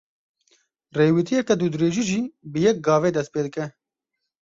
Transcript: Rêwîtiyeke dûdirêjî jî bi yek gavê dest pê dike.